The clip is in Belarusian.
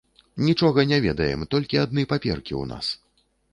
Нічога не ведаем, толькі адны паперкі ў нас.